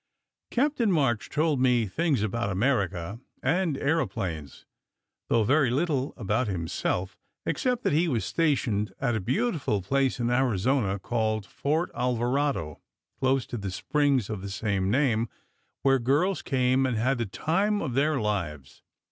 Captain March told me things about America, and aero planes, though very little about himself except that he was stationed at a beautiful place in Arizona, called Fort Alvarado, close to the springs of the same name, where girls came and had "the time of their lives."